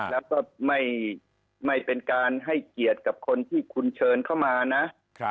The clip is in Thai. แล้วก็ไม่เป็นการให้เกียรติกับคนที่คุณเชิญเข้ามานะ